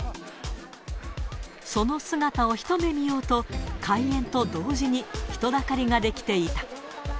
その姿を一目見ようと、開園と同時に人だかりが出来ていた。